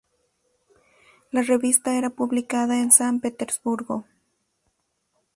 La revista era publicada en San Petersburgo.